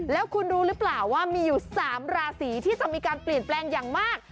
แล้วคุณรู้หรือเปล่าว่ามีอยู่๓ราศีที่จะมีการเปลี่ยนแปลงอย่างมาก